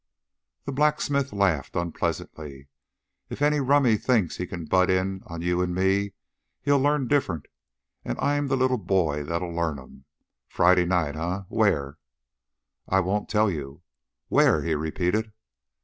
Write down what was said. The blacksmith laughed unpleasantly. "If any rummy thinks he can butt in on you an' me, he'll learn different, an' I'm the little boy that'll learn 'm. Friday night, eh? Where?" "I won't tell you." "Where?" he repeated.